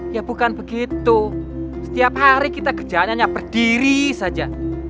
ya bukan begitu setiap hari kita kerjaannya hanya berdiri saja